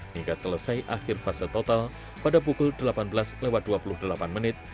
hingga selesai akhir fase total pada pukul delapan belas lewat dua puluh delapan menit